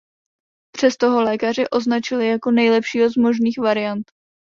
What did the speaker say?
Přesto ho lékaři označili jako nejlepšího z možných variant.